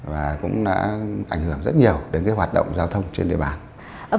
và cũng đã ảnh hưởng rất nhiều đến hoạt động giao thông trên địa bàn